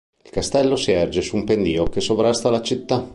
Il castello si erge su un pendio che sovrasta la città.